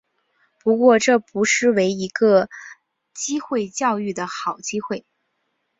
不过这不失为一个机会教育的好机会